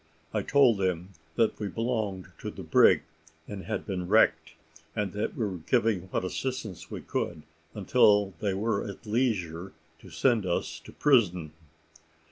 I told him that we belonged to the brig, and had been wrecked; and that we were giving what assistance we could until they were at leisure to send us to prison.